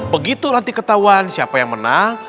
begitu nanti ketahuan siapa yang menang